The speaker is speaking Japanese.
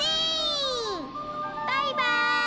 バイバーイ！